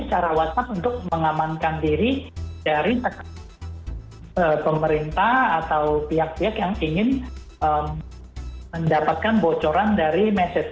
cara whatsapp untuk mengamankan diri dari tekanan pemerintah atau pihak pihak yang ingin mendapatkan bocoran dari message